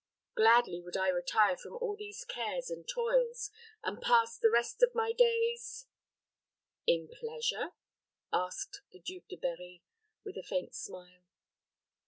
Gladly would I retire from all these cares and toils, and pass the rest of my days " "In pleasure?" asked the Duke de Berri, with a faint smile.